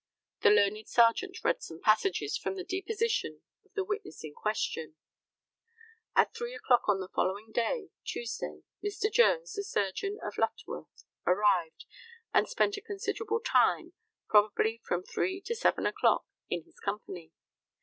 [The learned Serjeant read some passages from the deposition of the witness in question.] At three o'clock on the following day (Tuesday) Mr. Jones, the surgeon, of Lutterworth, arrived, and spent a considerable time probably from three to seven o'clock in his company.